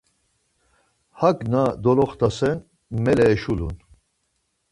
Hakna doloxtase, mele eşulun